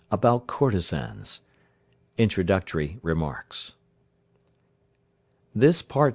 ABOUT COURTESANS. INTRODUCTORY REMARKS. This Part VI.